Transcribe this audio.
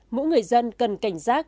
mỗi người dân cần cảnh giác